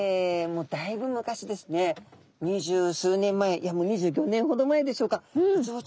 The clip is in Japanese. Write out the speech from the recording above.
もうだいぶ昔ですね二十数年前２５年ほど前でしょうかえっ！？